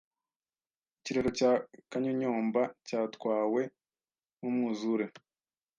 Ikiraro cya Kanyonyomba cyatwawe n’umwuzure